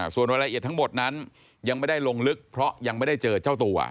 ส่วนรายละเอียดทั้งหมดนั้นยังไม่ได้ลงลึกเพราะยังไม่ได้เจอเจ้าตัว